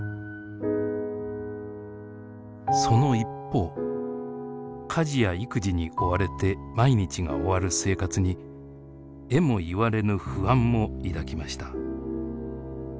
その一方家事や育児に追われて毎日が終わる生活にえも言われぬ不安も抱きました。